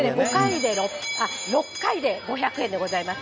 ６回で５００円でございます。